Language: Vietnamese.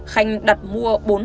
khanh đặt mua bốn khẩu súng